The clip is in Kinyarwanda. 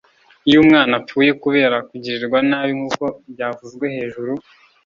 iyo umwana apfuye kubera kugirirwa nabi nkuko byavuzwe hejuru,